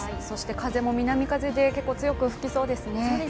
そして、風も南風で強く吹きそうですね。